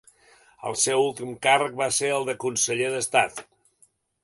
El seu últim càrrec va ser el de conseller d'estat.